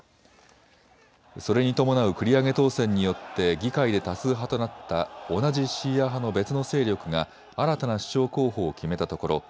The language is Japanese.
それに伴う繰り上げ当選によって議会で多数派となった同じシーア派の別の勢力が新たな首相候補を決めたところ